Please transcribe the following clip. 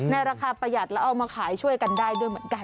ในราคาประหยัดแล้วเอามาขายช่วยกันได้ด้วยเหมือนกัน